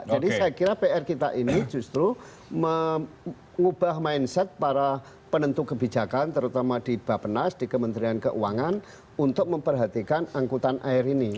jadi saya kira pr kita ini justru mengubah mindset para penentu kebijakan terutama di bapak nas di kementerian keuangan untuk memperhatikan angkutan air ini